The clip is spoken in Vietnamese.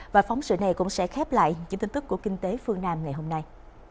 và phóng sự này cũng sẽ khép lại những tin tức của kinh tế phương nam ngày hôm nay